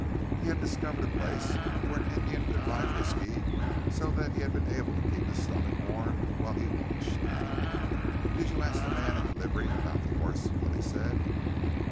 He had discovered a place where an Indian could buy whisky, so he had been able to keep his stomach warm while he watched. "Did you ask the man at the livery about the horse?" Willie said.